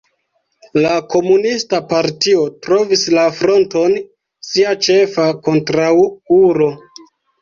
La komunista partio trovis la Fronton sia ĉefa kontraŭulo.